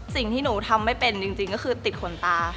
สิ่งที่หนูทำไม่เป็นจริงก็คือติดขนตา